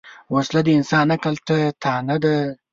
وسله د انسان عقل ته طعنه ده